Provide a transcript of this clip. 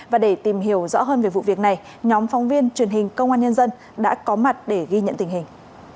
và để tìm hiểu rõ hơn về vụ việc này nhóm phóng viên truyền hình công an nhân dân đã có mặt để ghi nhận tình hình